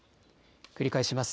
繰り返します。